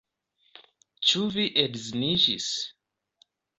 Ĉu vi edziniĝis?